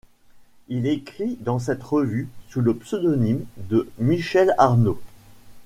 Il écrit dans cette revue sous le pseudonyme de Michel Arnauld.